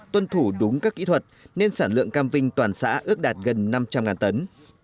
tuân thủ đúng các kỹ thuật nên sản lượng cam vinh toàn xã ước đạt gần năm trăm linh tấn